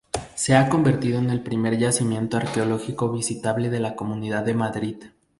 Se ha convertido en el primer yacimiento arqueológico visitable de la Comunidad de Madrid.